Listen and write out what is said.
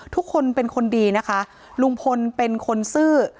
ทุกคนเป็นคนดีนะคะลุงพลเป็นคนซื่อ